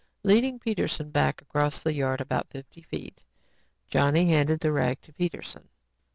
Leading Peterson back across the yard about fifty feet, Johnny handed the rag to Peterson.